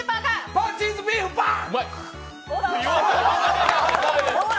パン・チーズ・ビーフ・パン！